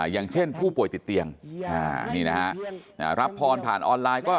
อย่างเช่นผู้ป่วยติดเตียงรับพรผ่านออนไลน์